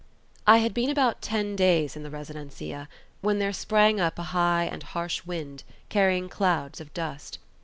I had been about ten days in the residencia, when there sprang up a high and harsh wind, carrying clouds of dust.